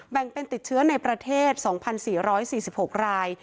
แบ่งเป็นติดเชื้อในประเทศ๒๔๔๖ราย